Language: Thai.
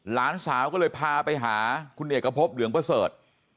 หลานสาวก็เลยพาไปหาคุณเอกพบเหลืองประเสริฐ